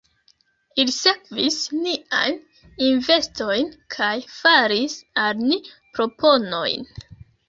Ili sekvis niajn investojn kaj faris al ni proponojn.